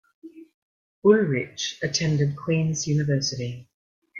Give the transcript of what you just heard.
Ullrich attended Queens University.